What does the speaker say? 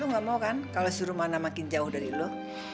lu nggak mau kan kalau si rumana makin jauh dari lu